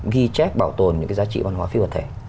ghi chép bảo tồn những cái giá trị văn hóa phi vật thể